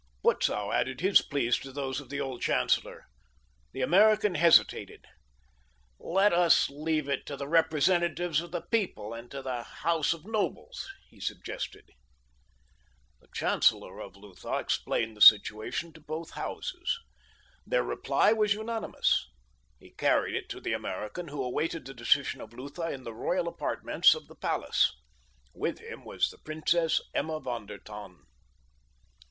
Butzow added his pleas to those of the old chancellor. The American hesitated. "Let us leave it to the representatives of the people and to the house of nobles," he suggested. The chancellor of Lutha explained the situation to both houses. Their reply was unanimous. He carried it to the American, who awaited the decision of Lutha in the royal apartments of the palace. With him was the Princess Emma von der Tann.